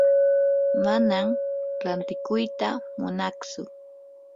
manam rantikuyta munatsu.